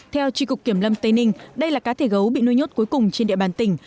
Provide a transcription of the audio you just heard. theo tri cục kiểm lâm tây ninh đây là cá thể gấu bị nuôi nhốt cuối cùng trên địa bàn tỉnh